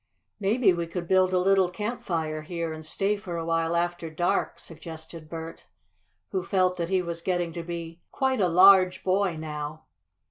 "Maybe we could build a little campfire here and stay for a while after dark," suggested Bert, who felt that he was getting to be quite a large boy now.